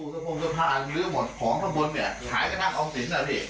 สู่สะพานลื้อหมดของข้างบนเนี่ยขายกระทั่งอองศิลป์น่ะเฮ้ย